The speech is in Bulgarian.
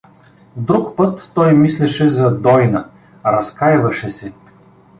Друг път той мислеше за Дойна, разкайваше се.